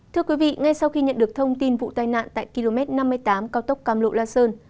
thưa quý vị ngay sau khi nhận được thông tin vụ tai nạn tại km năm mươi tám cao tốc cam lộ la sơn